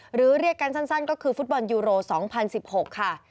เรียกกันสั้นก็คือฟุตบอลยูโร๒๐๑๖ค่ะ